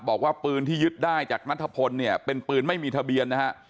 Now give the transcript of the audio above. บอกว่าปืนที่ยึดได้จากนัทพลเนี่ยเป็นปืนไม่มีทะเบียนนะฮะ